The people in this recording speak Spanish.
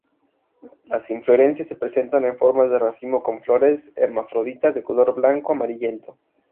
Las inflorescencias se presentan en forma de racimo con flores hermafroditas de color blanco-amarillento.